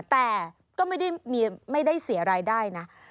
แต่ก็ไม่ได้เสียรายได้นะ